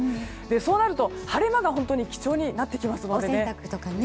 そうなると晴れ間が貴重になってきますのでね。